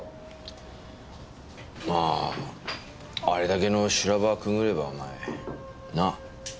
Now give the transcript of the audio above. まああれだけの修羅場くぐればお前なあ？